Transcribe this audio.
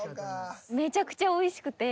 めちゃくちゃおいしくて。